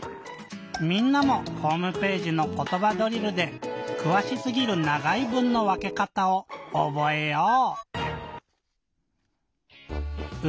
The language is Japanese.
みんなもホームページの「ことばドリル」でくわしすぎるながい文のわけかたをおぼえよう！